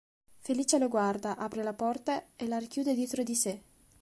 Felicia lo guarda, apre la porta e la richiude dietro di sé.